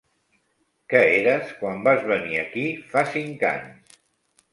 Què eres quan vas venir aquí fa cinc anys?